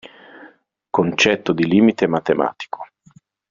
Concetto di limite matematico.